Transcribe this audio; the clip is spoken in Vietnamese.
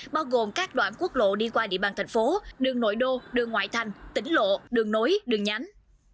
bao gồm các đoạn quốc lộ đi qua địa bàn thành phố đường nội đô đường ngoại thành tỉnh lộ đường nối đường nhánh